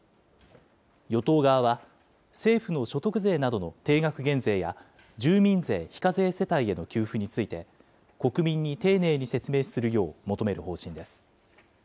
与党側は、政府の所得税などの定額減税や住民税非課税世帯への給付について、国民に丁寧に説明するよう求める方針です。